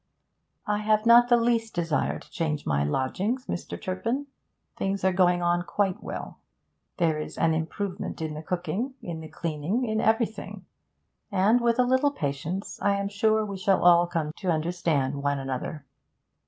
'I have not the least desire to change my lodgings, Mr. Turpin. Things are going on quite well. There is an improvement in the cooking, in the cleaning, in everything; and, with a little patience, I am sure we shall all come to understand one another.